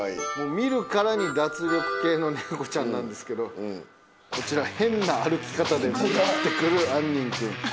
見るからに脱力系の猫ちゃんなんですけどこちら変な歩き方で向かって来る杏仁くん。